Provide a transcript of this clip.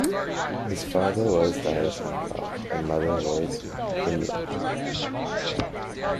His father was Dayashankar and mother was Vimla.